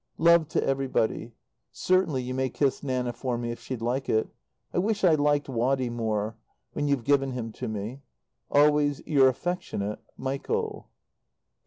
Love to everybody. Certainly you may kiss Nanna for me, if she'd like it. I wish I liked Waddy more when you've given him to me. Always your affectionate, MICHAEL.